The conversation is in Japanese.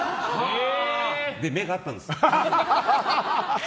それで目が合ったんです。